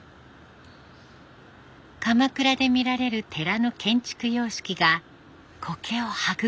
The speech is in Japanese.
鎌倉で見られる寺の建築様式がコケを育んでいました。